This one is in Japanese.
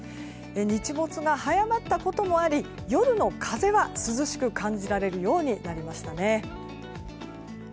日没が早まったこともあり夜の風は涼しく感じられるようになりましたね。